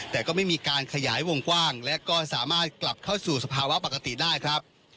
แต่ก็ไม่มีการขยายวงกว้างและก็สามารถกลับเข้าสู่สภาวะปกติได้ครับ